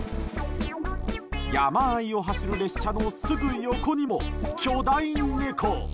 山あいを走る列車のすぐ横にも巨大猫。